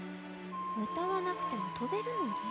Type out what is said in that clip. うたわなくてもとべるのに。